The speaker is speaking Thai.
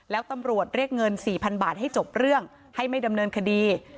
แล้วตำรวจเรียกเงิน๔๐๐๐บาทให้จบเรื่องให้ไม่ดำเนินคดี